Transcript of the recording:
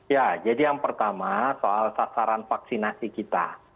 ya jadi yang pertama soal sasaran vaksinasi kita